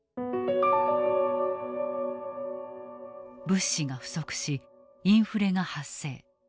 物資が不足しインフレが発生。